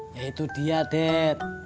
ya itu dia dad